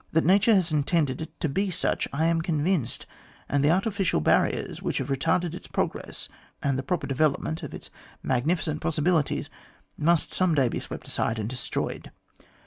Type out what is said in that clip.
That nature has intended it to be such I am convinced, and the artificial barriers which have retarded its progress and the proper development of its magni ficent possibilities, must some day be swept aside and destroyed.